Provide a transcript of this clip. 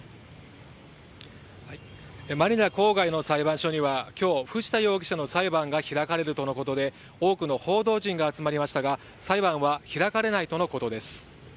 マニラ郊外の裁判所には今日、藤田容疑者の裁判が開かれるとのことで多くの報道陣が集まりましたが裁判は開かれないとのことです。